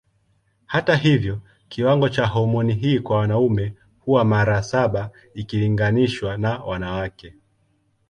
Hata hivyo kiwango cha homoni hii kwa wanaume huwa mara saba ikilinganishwa na wanawake.